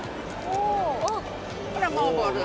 ほらもうボール。